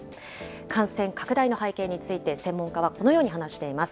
感染拡大の背景について、専門家はこのように話しています。